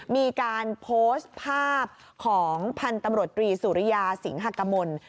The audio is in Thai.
มีการโพสต์ภาพของพันธมรตรีสุริยาสิงหกมล